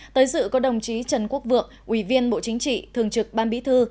tới dự có đồng chí trần quốc vượng ủy viên bộ chính trị thường trực ban bí thư